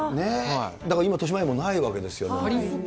だから、今、としまえんもないわけですよね。